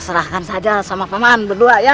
serahkan saja sama paman berdua ya